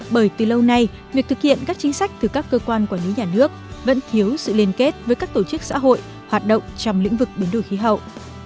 bởi từ lâu nay việc thực hiện các chính sách từ các cơ quan quản lý nhà nước vẫn thiếu sự liên kết với các tổ chức xã hội hoạt động trong lĩnh vực biến đổi khí hậu